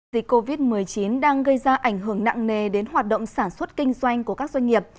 dịch covid một mươi chín đang gây ra ảnh hưởng nặng nề đến hoạt động sản xuất kinh doanh của các doanh nghiệp